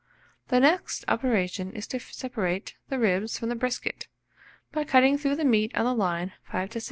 The, next operation is to separate the ribs from the brisket, by cutting through the meat on the line 5 to 6.